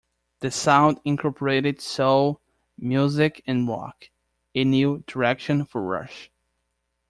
The sound incorporated soul music and rock, a new direction for Rush.